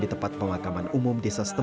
tapi kelihatannya di mana